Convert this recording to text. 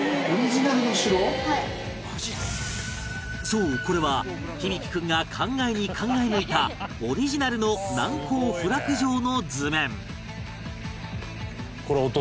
そうこれは響大君が考えに考え抜いたオリジナルの難攻不落城の図面